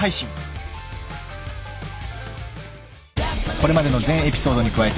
［これまでの全エピソードに加えてＦＯＤ